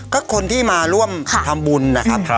ก็คนที่มาร่วมทำบุญนะครับ